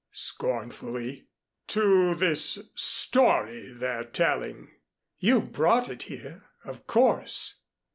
scornfully. "To this story they're telling." "You brought it here, of course."